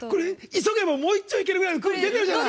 急げばもういっちょいけるぐらいの空気が出てるじゃない！